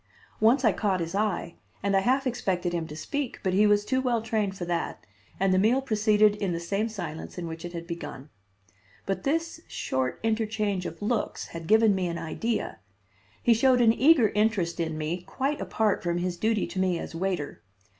Once I caught his eye and I half expected him to speak, but he was too well trained for that, and the meal proceeded in the same silence in which it had begun. But this short interchange of looks had given me an idea. He showed an eager interest in me quite apart from his duty to me as waiter.